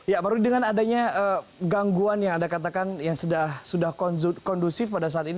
ya pak rudi dengan adanya gangguan yang anda katakan yang sudah kondusif pada saat ini